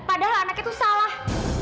padahal anaknya tuh salah